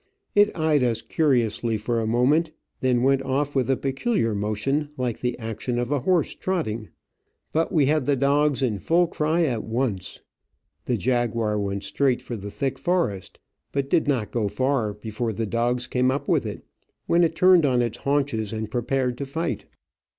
It eyed us curiously for a moment, and then went off with a peculiar motion, likfe) the action of a horse trotting, but we had the dogs in full cry at once. The jaguar went straight for the thick forest, but did not go far before the dogs came up with it, when it turned on its haunches and prepared to fight.